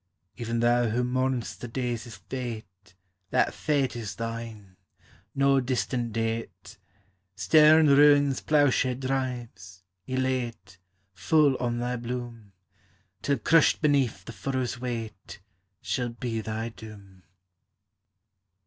Even thou who mourn'st the daisy's fate, That fate is thine, — no distanl date: Stern Ruin's ploughshare drives, elat< Full on thy bloom, Till crushed beneath the furrow's weight Shall be thy doom